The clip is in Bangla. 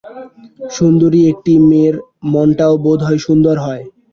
সুন্দরী একটি মেয়ের মনটাও বোধহয় সুন্দর হয়।